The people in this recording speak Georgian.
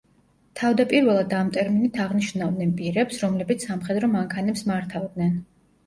თავდაპირველად ამ ტერმინით აღნიშნავდნენ პირებს, რომლებიც სამხედრო მანქანებს მართავდნენ.